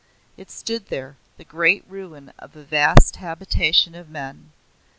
It stood there the great ruin of a vast habitation of men.